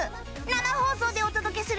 生放送でお届けするよ。